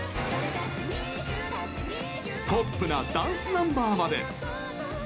ポップなダンスナンバーまで！